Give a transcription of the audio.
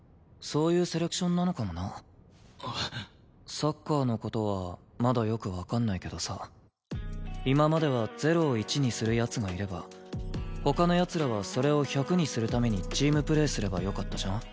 サッカーの事はまだよくわかんないけどさ今までは０を１にする奴がいれば他の奴らはそれを１００にするためにチームプレーすればよかったじゃん？